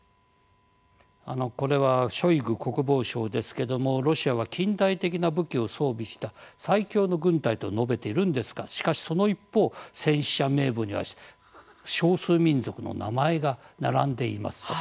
これはショイグ国防相ですけれどもロシアは近代的な武器を装備した最強の軍隊と述べているんですがしかし、その一方戦死者名簿には少数民族の名前が並んでいますと。